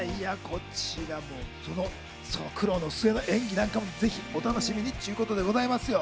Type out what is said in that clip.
その苦労の末の演技なんかも、お楽しみにっちゅうことでございますよ。